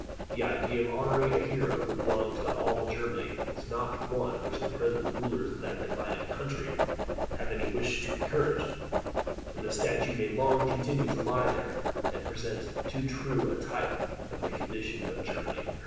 The idea of honouring a hero who belongs to ALL Germany, is not one which the present rulers of that divided country have any wish to encourage; and the statue may long continue to lie there, and present too true a type of the condition of Germany herself.